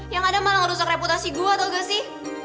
yang ada malah rusak reputasi gue tau gak sih